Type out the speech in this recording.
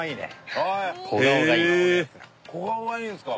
小顔がいいんですか。